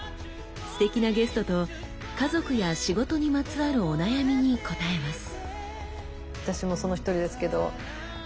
すてきなゲストと家族や仕事にまつわるお悩みに答えます。